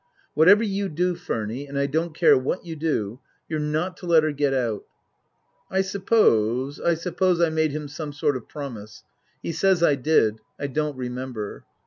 Whatever you do, Furny and I don't care what you do you're not to let her get out." I suppose I suppose I made him some sort of promise. He says I did. I don't remember.